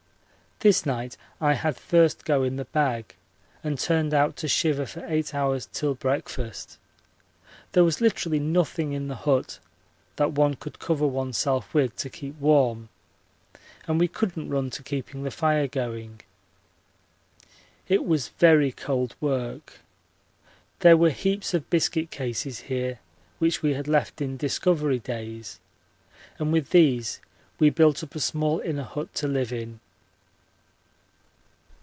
This night I had first go in the bag, and turned out to shiver for eight hours till breakfast. There was literally nothing in the hut that one could cover oneself with to keep warm and we couldn't run to keeping the fire going. It was very cold work. There were heaps of biscuit cases here which we had left in Discovery days, and with these we built up a small inner hut to live in.